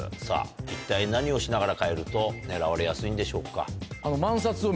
さぁ一体何をしながら帰ると狙われやすいんでしょうか？